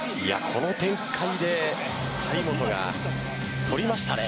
この展開で張本が取りましたね。